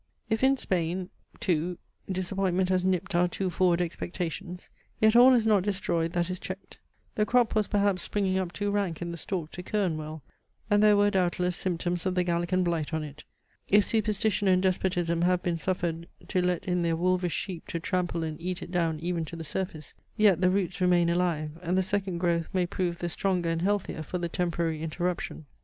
If in Spain too disappointment has nipped our too forward expectations, yet all is not destroyed that is checked. The crop was perhaps springing up too rank in the stalk to kern well; and there were, doubtless, symptoms of the Gallican blight on it. If superstition and despotism have been suffered to let in their wolvish sheep to trample and eat it down even to the surface, yet the roots remain alive, and the second growth may prove the stronger and healthier for the temporary interruption.